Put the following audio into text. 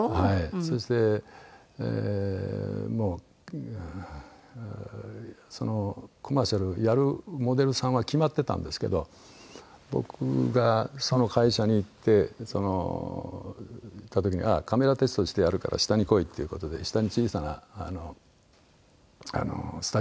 そしてもうコマーシャルをやるモデルさんは決まってたんですけど僕がその会社に行ってその行った時にカメラテストしてやるから下に来いっていう事で下に小さなスタジオがありましてね。